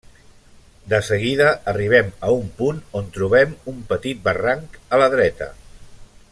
De seguida arribem a un punt on trobem un petit barranc a la dreta.